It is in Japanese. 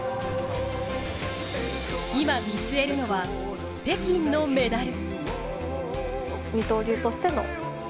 今見据えるのは、北京のメダル。